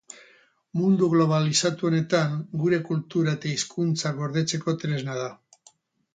Mundu globalizatu honetan gure kultura eta hizkuntza gordetzeko tresna da.